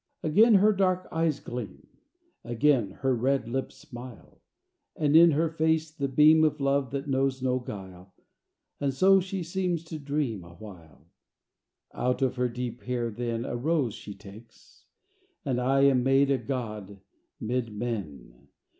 Again her dark eyes gleam; Again her red lips smile; And in her face the beam Of love that knows no guile; And so she seems to dream A while. Out of her deep hair then A rose she takes and I Am made a god 'mid men!